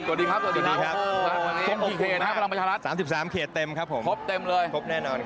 มาเลยขอบคุณมากประมาณ๓๓เขตเต็มครับผมครบเต็มเลยครบแน่นอนครับ